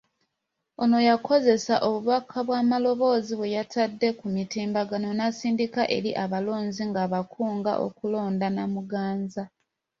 Ono yakozesa obubaka bw’amaloboozi bwe yatadde ku mutimbagano n'asindika eri abalonzi nga abakunga okulonda Namuganza.